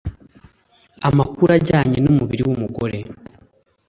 amakuru ajyanye n'umubiri w'umugore.